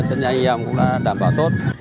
anh em cũng đảm bảo tốt